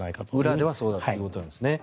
裏ではそうだということなんですね。